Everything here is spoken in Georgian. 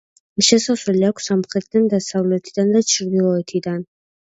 შესავლელი აქვს სამხრეთიდან, დასავლეთიდან და ჩრდილოეთიდან.